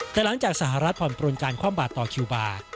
แต่หลังจากสหรัฐผ่อนปลนการคว่ำบาดต่อคิวบาร์